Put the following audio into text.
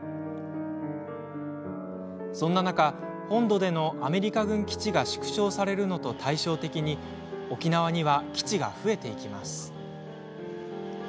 そんな中本土でのアメリカ軍基地が縮小されるのと対照的に沖縄には基地が増えていきます。